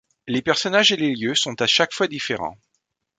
Les personnages et les lieux sont à chaque fois différents.